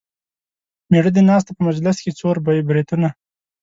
مېړه دې ناست دی په مجلس کې څور بریتونه.